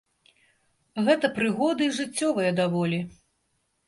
Гэта прыгоды, жыццёвыя даволі.